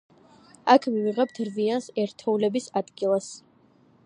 აქ მივიღებთ რვიანს ერთეულების ადგილას.